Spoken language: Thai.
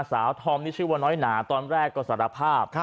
ธอมนี่ชื่อว่าน้อยหนาตอนแรกก็สารภาพ